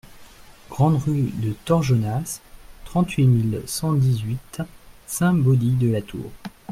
Grande Rue de Torjonas, trente-huit mille cent dix-huit Saint-Baudille-de-la-Tour